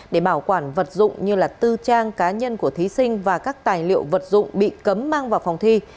để bảo quản vật dụng như tư trang cá nhân của thí sinh và các tài liệu vật dụng bị cấm mang vào phòng thi